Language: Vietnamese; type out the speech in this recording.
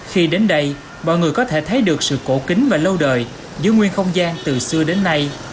khi đến đây mọi người có thể thấy được sự cổ kính và lâu đời giữa nguyên không gian từ xưa đến nay